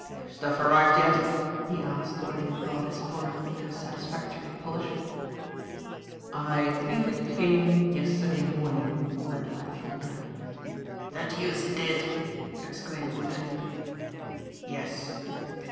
"Stuff arrived yet?" he asked when he had brought his forehead to a satisfactory polish. "I think it came yesterday morning," replied Thorndyke. "The deuce it did!" exclaimed Woodfield. "Yes.